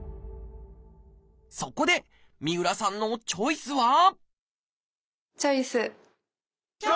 そこで三浦さんのチョイスはチョイス！